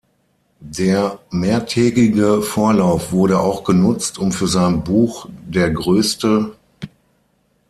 Der mehrtägige Vorlauf wurde auch genutzt, um für sein Buch "Der Größte.